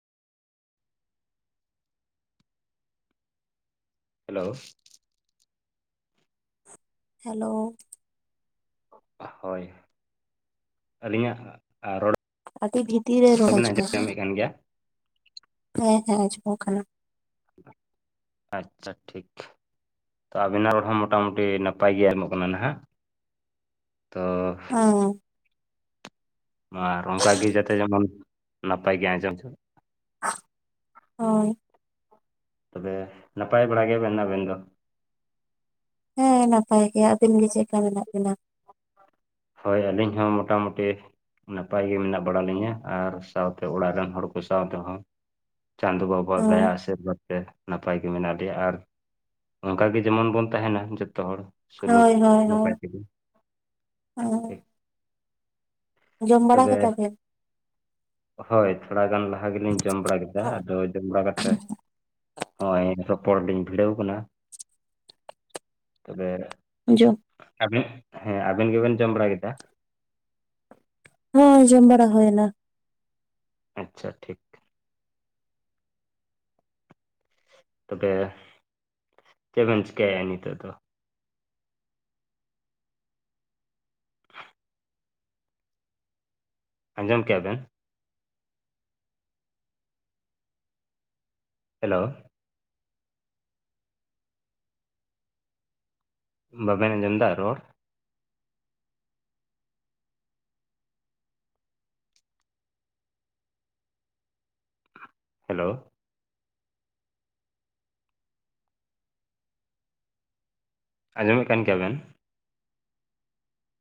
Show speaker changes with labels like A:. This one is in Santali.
A: ᱦᱮᱞᱳ
B: ᱦᱮᱞᱳ
A: ᱦᱳᱭ ᱟᱹᱞᱤᱧᱟᱜ ᱟᱨ ᱨᱚᱲ
B: ᱟᱹᱰᱤ ᱵᱷᱤᱛᱤᱨ ᱨᱮ ᱨᱚᱲ
A: ᱵᱤᱱ
B: ᱟᱸᱡᱚᱢᱚᱜ ᱠᱟᱱᱟ,
A: ᱟᱸᱡᱚᱢᱮᱫ ᱠᱟᱱ ᱜᱮᱭᱟ
B: ᱦᱮᱸ ᱦᱮᱸ ᱟᱸᱡᱚᱢᱚᱜ ᱠᱟᱱᱟ᱾
A: ᱟᱪᱪᱷᱟ ᱴᱷᱤᱠ ᱛᱚ ᱟᱵᱤᱱᱟᱜ ᱨᱚᱲ ᱦᱚᱸ ᱢᱚᱴᱟᱢᱩᱴᱤ ᱱᱟᱯᱟᱭ ᱜᱮ ᱟᱸᱡᱚᱢᱚᱜ ᱠᱟᱱᱟ ᱱᱟᱦᱟᱜ ᱛᱚ᱾
B: ᱚ
A: ᱢᱟ ᱟᱨ ᱚᱱᱠᱟ ᱜᱮ ᱡᱟᱛᱮ ᱡᱮᱢᱚᱱ ᱱᱟᱯᱟᱭ ᱜᱮ ᱟᱸᱡᱚᱢ ᱡᱚᱜ
B: ᱦᱚᱭ
A: ᱛᱚᱵᱮ ᱱᱟᱯᱟᱭ ᱵᱟᱲᱟ ᱜᱮᱭᱟᱵᱤᱱ ᱟᱵᱤᱱ ᱫᱚ?
B: ᱦᱮᱸ ᱱᱟᱯᱟᱭ ᱜᱮᱭᱟ, ᱟᱹᱵᱤᱱ ᱜᱮ ᱪᱮᱜ ᱠᱟ ᱢᱮᱱᱟᱜ ᱵᱤᱱᱟ?
A: ᱦᱚᱭ ᱟᱹᱞᱤᱧ ᱦᱚᱸ ᱢᱚᱴᱟᱢᱩᱴᱤ ᱱᱟᱯᱟᱭ ᱜᱮ ᱢᱮᱱᱟᱜ ᱵᱟᱲᱟ ᱞᱤᱧᱟᱹ ᱟᱨ ᱥᱟᱶᱛᱮ ᱚᱲᱟᱜ ᱨᱮᱱ ᱦᱚᱲ ᱠᱚ ᱥᱟᱶᱛᱮ ᱦᱚᱸ᱾ ᱪᱟᱸᱫᱚ ᱵᱟᱵᱟ
B: ᱦᱮᱸ
A: ᱫᱟᱭᱟ ᱟᱹᱥᱤᱨᱵᱟᱫᱽ ᱛᱮ᱾ ᱱᱟᱯᱟᱭ ᱜᱮ ᱢᱮᱱᱟᱜ ᱞᱮᱭᱟ ᱟᱨ ᱚᱱᱠᱟ ᱜᱮ ᱡᱮᱢᱚᱱ ᱵᱚᱱ ᱛᱟᱦᱮᱸᱱᱟ ᱡᱚᱛᱚ ᱦᱚᱲ᱾ ᱥᱩᱞᱩᱠ
B: ᱦᱚᱭ ᱦᱚᱭ
A: ᱱᱟᱯᱟᱭ
B: ᱦᱚᱭ
A: ᱛᱮᱜᱮ
B: ᱦᱚᱭ
A: ᱴᱷᱤᱠ
B: ᱡᱚᱢ ᱵᱟᱲᱟ ᱠᱮᱫᱟᱵᱤᱱ?
A: ᱦᱚᱭ ᱛᱷᱚᱲᱟ ᱜᱟᱱ ᱞᱟᱦᱟ ᱜᱮᱞᱤᱧ ᱡᱚᱢ ᱵᱟᱲᱟ ᱠᱮᱫᱟ᱾ ᱟᱫᱚ ᱡᱚᱢ ᱵᱟᱲᱟ ᱠᱟᱛᱮᱜ ᱦᱚᱸᱭ ᱨᱚᱯᱚᱲ ᱞᱤᱧ ᱵᱷᱤᱲᱟᱹᱣ ᱠᱟᱱᱟ᱾ ᱛᱚᱵᱮ
B: ᱡᱚᱢ
A: ᱟᱵᱤᱱ ᱦᱮᱸ ᱟᱵᱤᱱ ᱜᱮ ᱵᱤᱱ ᱡᱚᱢ ᱵᱟᱲᱟ ᱠᱮᱫᱟ?
B: ᱦᱚᱭ ᱡᱚᱢ ᱵᱟᱲᱟ ᱦᱩᱭᱮᱱᱟ
A: ᱟᱪᱪᱷᱟ ᱴᱷᱤᱠ ᱛᱚᱵᱮ ᱪᱮᱜ ᱵᱤᱱ ᱪᱤᱠᱟ ᱮᱫᱟ ᱱᱤᱛᱚᱜ ᱫᱚ? ᱟᱸᱡᱚᱢ ᱠᱮᱜ-ᱟ ᱵᱤᱱ? ᱦᱮᱞᱳ ᱵᱟᱵᱤᱱ ᱟᱸᱡᱚᱢ ᱫᱟ ᱨᱚᱲ? ᱦᱮᱞᱳ ᱟᱸᱡᱚᱢᱮᱫ ᱠᱟᱱ ᱜᱮᱭᱟᱵᱤᱱ?